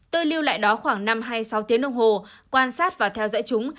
tôi lưu lại đó khoảng năm hay sáu tiếng đồng hồ quan sát và theo dõi chúng